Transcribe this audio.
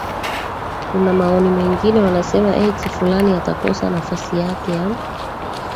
kuna maoni wengine wanasema eti fulani atakosa nafasi yake ya